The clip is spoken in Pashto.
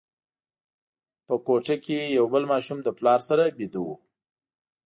په کوټه کې یو بل ماشوم له پلار سره ویده وو.